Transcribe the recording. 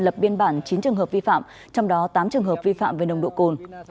lập biên bản chín trường hợp vi phạm trong đó tám trường hợp vi phạm về nồng độ cồn